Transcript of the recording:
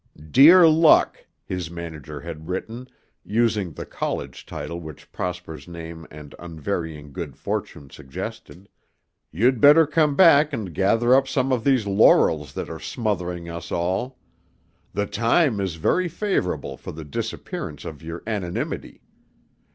"Dear Luck," his manager had written, using the college title which Prosper's name and unvarying good fortune suggested, "you'd better come back and gather up some of these laurels that are smothering us all. The time is very favorable for the disappearance of your anonymity.